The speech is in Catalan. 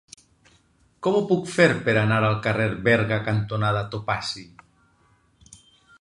Com ho puc fer per anar al carrer Berga cantonada Topazi?